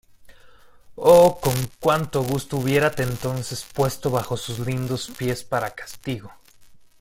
¡ oh, con cuánto gusto hubiérate entonces puesto bajo sus lindos pies para castigo!